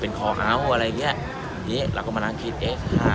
เพราะรอบตอนเป็นดารา